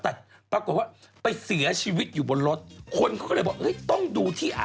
แต่ปรากฏว่าไปเสียชีวิตอยู่บนรถคนเขาก็เลยบอกเฮ้ยต้องดูที่อ่ะ